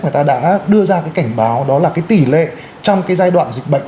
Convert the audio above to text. người ta đã đưa ra cái cảnh báo đó là cái tỷ lệ trong cái giai đoạn dịch bệnh